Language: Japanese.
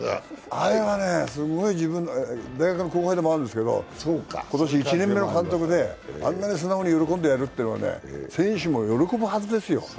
あれはね、大学の後輩でもあるんですけど、今年１年目の監督で、あんなに素直に喜んでやるというのは選手も喜ぶはずですよ。